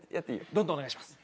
どんどんお願いします。